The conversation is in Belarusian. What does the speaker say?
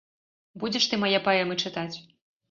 Будзеш ты мае паэмы чытаць!